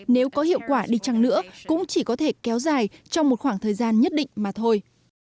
nếu có hiệu quả đi chăng nữa cũng chỉ có thể kéo dài trong một khoảng thời gian nhất định mà thôi